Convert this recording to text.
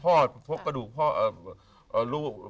ทกกระดูกพ่อลูก